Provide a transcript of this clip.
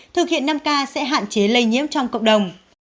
thực hiện năm k sẽ hạn chế lây nhiễm trong cộng đồng